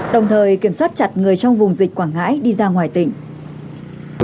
đồng thời kiểm soát chặt người trong vùng dịch quảng ngãi đi ra ngoài tỉnh